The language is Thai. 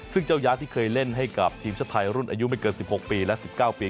ซึ่งเจ้าย้ายที่เคยเล่นให้กับทีมชาติไทยรุ่นอายุไม่เกิน๑๖ปีและ๑๙ปี